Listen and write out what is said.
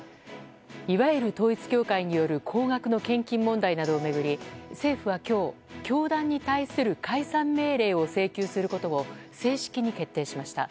いわゆる統一教会による高額の献金問題などを巡り政府は今日、教団に対する解散命令を請求することを正式に決定しました。